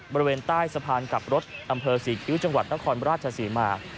บริเวณใต้สะพานกลับรถอำเภอศรีคิ้วจังหวัดนครราชศรีมา